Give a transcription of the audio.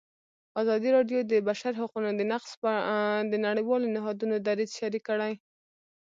ازادي راډیو د د بشري حقونو نقض د نړیوالو نهادونو دریځ شریک کړی.